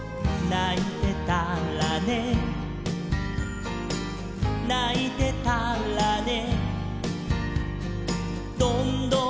「ないてたらねないてたらね」